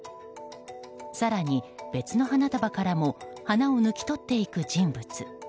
更に別の花束からも花を抜き取っていく人物。